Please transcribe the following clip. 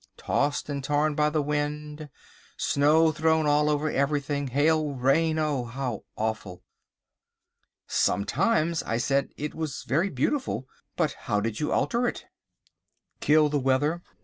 —tossed and torn by the wind, snow thrown all over everything, hail, rain—how awful!" "Sometimes," I said, "it was very beautiful. But how did you alter it?" "Killed the weather!"